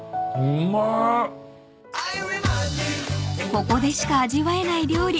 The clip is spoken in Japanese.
［ここでしか味わえない料理